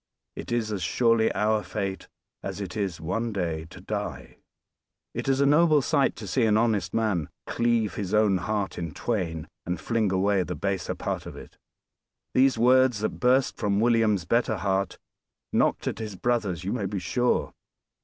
It is as surely our fate as it is one day to die. It is a noble sight to see an honest man "cleave his own heart in twain, and fling away the baser part of it." These words, that burst from William's better heart, knocked at his brother's you may be sure.